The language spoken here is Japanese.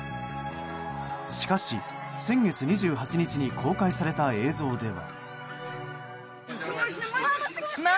しかし、先月２８日に公開された映像では。